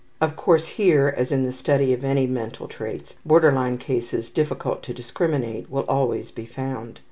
Of course here, as in the study of any mental traits, borderline cases difficult to discriminate will always be found.